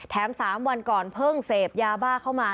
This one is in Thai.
๓วันก่อนเพิ่งเสพยาบ้าเข้ามา